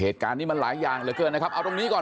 เหตุการณ์นี้มันหลายอย่างเหลือเกินนะครับเอาตรงนี้ก่อน